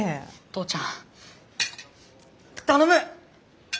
父ちゃん頼む！